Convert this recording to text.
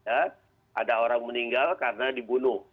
ada orang meninggal karena dibunuh